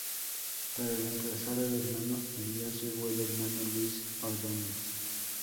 Para reemplazar al Hermano Elías llegó el Hermano Luis Ordóñez.